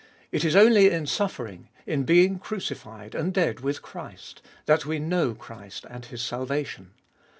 It is only in suffering, in being crucified and dead with Christ, that we know Christ and His salvation.